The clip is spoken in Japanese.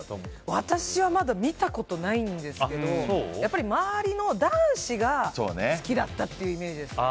私はまだ見たことないんですけどやっぱり周りの男子が好きだったというイメージですね。